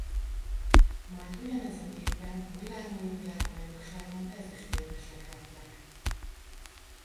Majd ugyanezen évben a milánói Világbajnokságon ezüstérmesek lettek.